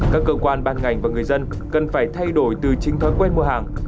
các cơ quan ban ngành và người dân cần phải thay đổi từ chính thói quen mua hàng